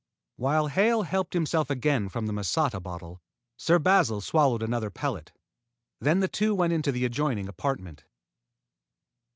While Hale helped himself again from the masata bottle, Sir Basil swallowed another pellet. Then the two went into the adjoining apartment.